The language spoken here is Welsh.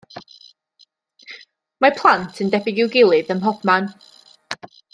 Mae plant yn debyg i'w gilydd ym mhob man.